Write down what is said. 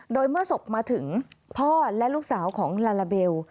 โดยเมื่อศพมาถึงพ่อและลูกสาวของลาลาเบล